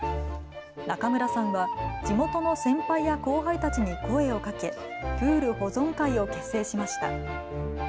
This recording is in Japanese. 中村さんは、地元の先輩や後輩たちに声をかけ、プール保存会を結成しました。